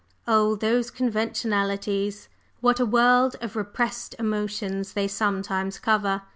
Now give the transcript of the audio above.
Oh, those conventionalities! What a world of repressed emotions they sometimes cover!